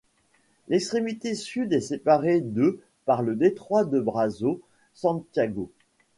L'extrémité sud est séparée de par le détroit de Brazos Santiago.